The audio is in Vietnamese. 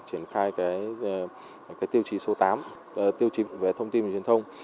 triển khai tiêu chí số tám tiêu chí về thông tin và truyền thông